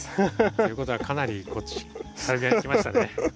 ということはかなりこっちサルビアにきましたね。